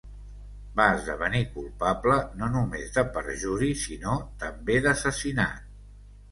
Va esdevenir culpable no només de perjuri, sinó també d'assassinat.